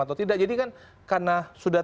atau tidak jadi kan karena sudah